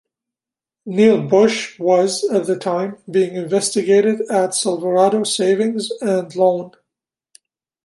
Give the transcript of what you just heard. Neil Bush was, at the time, being investigated at Silverado Savings And Loan.